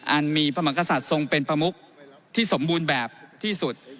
อันมีพระมังกษัตริย์ทรงเป็นประมุกที่สมบูรณ์แบบที่สุด